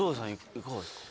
いかがですか？